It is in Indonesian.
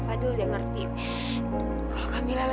ya udah kak fadil